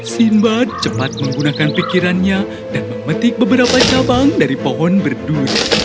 sinbad cepat menggunakan pikirannya dan memetik beberapa cabang dari pohon berduri